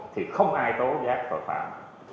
thì không ai tố giác tội phạm